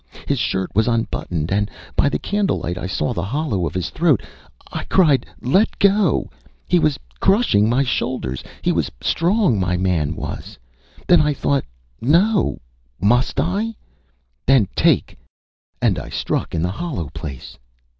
His shirt was unbuttoned, and, by the candle light, I saw the hollow of his throat. I cried: ÂLet go!Â He was crushing my shoulders. He was strong, my man was! Then I thought: No! ... Must I? ... Then take! and I struck in the hollow place.